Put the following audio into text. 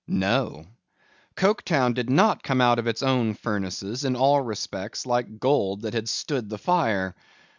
No. Coketown did not come out of its own furnaces, in all respects like gold that had stood the fire.